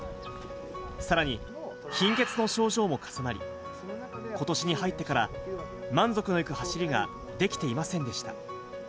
さらに貧血の症状も重なり、ことしに入ってから、満足のいく走りができていませんでした。